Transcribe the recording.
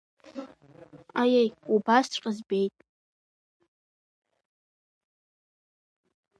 Аиеи, убасҵәҟьа збеит!